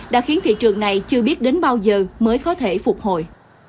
đã khiến thị trường này chưa biết đến bao giờ mới có thể phục hồi